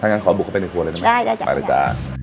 งั้นขอบุกเข้าไปในครัวเลยได้ไหมไปเลยจ้า